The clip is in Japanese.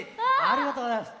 ありがとうございます。